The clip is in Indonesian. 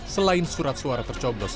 selain surat suara tercoblos